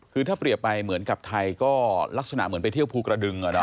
คือถ้าเปรียบไปเหมือนกับไทยก็ลักษณะเหมือนไปเที่ยวภูกระดึง